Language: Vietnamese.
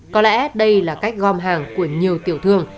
có lẽ đây là cách gom hàng của nhiều tiểu thương